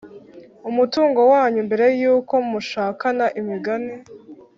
umutungo wanyu mbere y uko mushakana Imigani